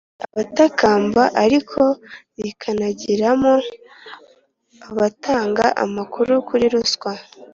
Abatakamba ariko rikanagiramo abatanga amakuru kuri ruswa